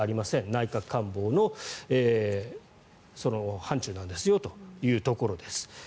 内閣官房の範ちゅうなんですよというところです。